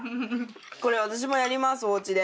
これ私もやりますお家で。